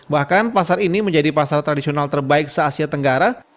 bahkan pasar ini menjadi pasar tradisional terbaik se asia tenggara